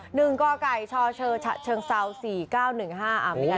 หนึ่งก็ไกลชอเชอเชิงเซาสี่เก้าหนึ่งห้า